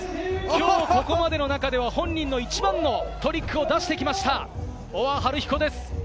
今日ここまでの中では、本人の一番のトリックを出してきました、大和晴彦です。